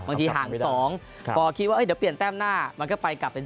บางทีห่าง๒พอคิดว่าเดี๋ยวเปลี่ยนแต้มหน้ามันก็ไปกลับเป็น